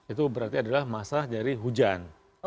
itu berarti adalah masalah dari hujan